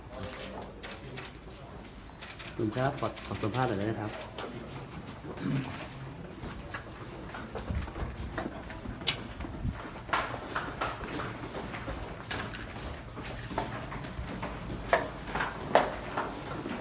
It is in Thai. สวัสดีครับขอบคุณภาษาเดี๋ยวนะครับ